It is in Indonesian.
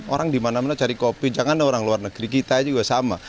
orang dimana mana cari kopi jangan orang luar negeri kita juga sama